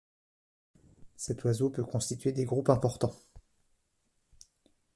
Cet oiseau peut constituer des groupes importants.